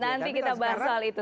nanti kita bahas soal itu